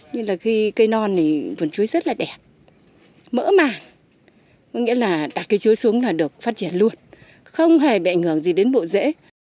nên là khi cây non thì vườn chuối rất là đẹp mỡ mà có nghĩa là đặt cây chuối xuống là được phát triển luôn không hề bị ảnh hưởng gì đến bộ rễ